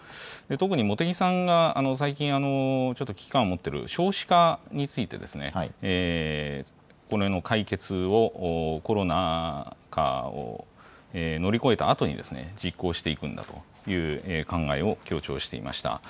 特に茂木さんが最近、ちょっと危機感を持ってる少子化について、これの解決をコロナ禍を乗り越えたあとに、実行していくんだという考えを強調していました。